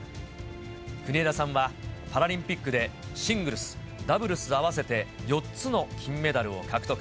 国枝さんは、パラリンピックでシングルス、ダブルス合わせて４つの金メダルを獲得。